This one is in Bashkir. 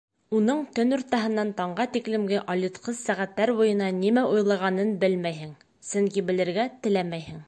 Уның төн уртаһынан таңға тиклемге алйытҡыс сәғәттәр буйына нимә уйлағанын белмәйһең, сөнки белергә теләмәйһең.